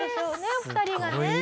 お二人がね。